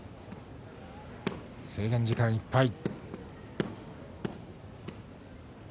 制限時間いっぱい。